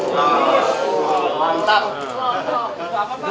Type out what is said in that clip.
dari dua ratus orang korbannya